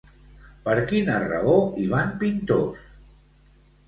Per quina raó hi van pintors?